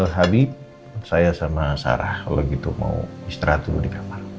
habib saya sama sarah kalau gitu mau istirahat dulu di kamar